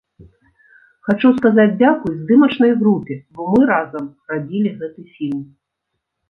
Хачу сказаць дзякуй здымачнай групе, бо мы разам рабілі гэты фільм.